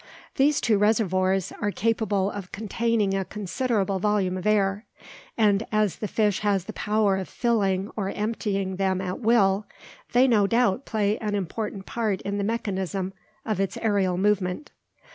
These two reservoirs are capable of containing a considerable volume of air; and as the fish has the power of filling or emptying them at will, they no doubt play an important part in the mechanism of its aerial movement.